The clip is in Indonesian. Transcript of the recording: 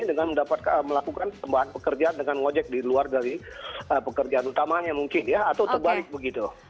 dengan melakukan tambahan pekerjaan dengan ojek di luar dari pekerjaan utamanya mungkin ya atau terbalik begitu